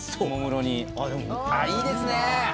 いいですね！